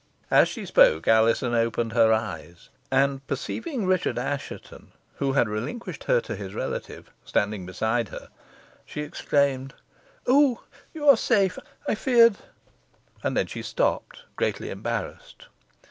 As she spoke Alizon opened her eyes, and perceiving Richard Assheton, who had relinquished her to his relative, standing beside her, she exclaimed, "Oh! you are safe! I feared" And then she stopped, greatly embarrassed.